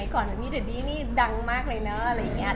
ก่อนแบบนี้เดอะดี้นี่ดังมากเลยเนอะอะไรอย่างเงี้ย